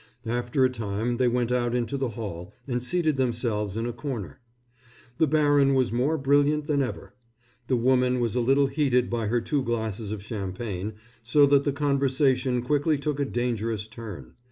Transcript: After a time they went out into the hall and seated themselves in a corner. The baron was more brilliant than ever. The woman was a little heated by her two glasses of champagne, so that the conversation quickly took a dangerous turn.